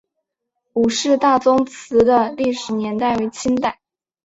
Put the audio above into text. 伍氏大宗祠的历史年代为清代。